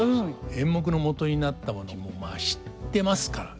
演目の元になったものをまあ知ってますからね。